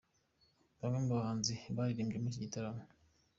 Bamwe mu bahanzi baririmbye muri iki gitaramo.